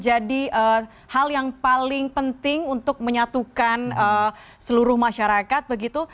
jadi hal yang paling penting untuk menyatukan seluruh masyarakat begitu